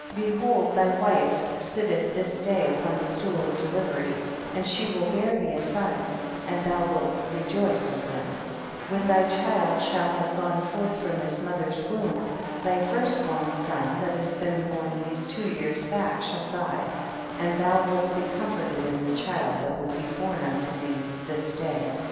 63. Behold thy wife sitteth this day upon the stool of delivery, and she will bear thee a son and thou wilt rejoice with him ; when thy child shall have gone forth from his mother's womb, thy first born son that has been born these two years back shall die, and thou wilt be comforted in the child that will be born unto thee this day.